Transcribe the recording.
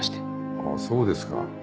あぁそうですか。